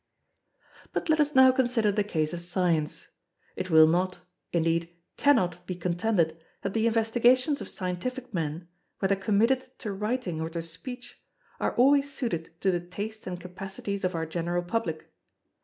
But let us now consider the case of Science. It will not, indeed cannot, be contended that the investigations of scientific men, whether committed to writing or to speech, are always suited to the taste and capacities of our general public.